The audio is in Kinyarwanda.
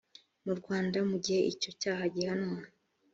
mu rwanda mu gihe icyo cyaha gihanwa